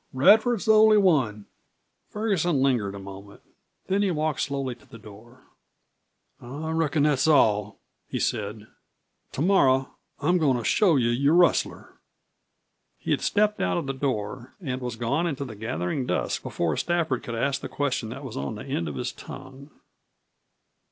Radford's the only one." Ferguson lingered a moment. Then he walked slowly to the door. "I reckon that's all," he said. "To morrow I'm goin' to show you your rustler." He had stepped out of the door and was gone into the gathering dusk before Stafford could ask the question that was on the end of his tongue.